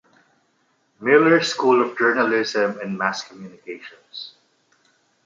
Miller School of Journalism and Mass Communications.